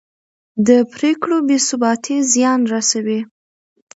د پرېکړو بې ثباتي زیان رسوي